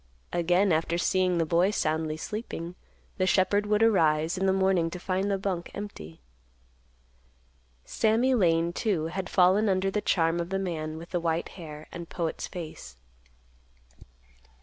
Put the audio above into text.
Again, after seeing the boy soundly sleeping, the shepherd would arise in the morning to find the bunk empty. Sammy Lane, too, had fallen under the charm of the man with the white hair and poet's face.